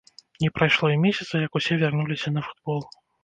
Не прайшло і месяца, як усе вярнуліся на футбол.